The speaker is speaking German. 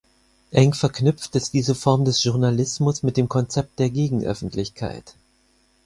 Eng verknüpft ist diese Form des Journalismus mit dem Konzept der Gegenöffentlichkeit.